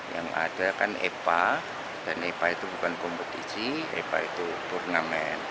yang ada kan epa dan epa itu bukan kompetisi epa itu turnamen